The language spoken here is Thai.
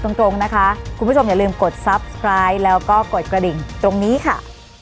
วันนี้ลาไปก่อนสวัสดีค่ะ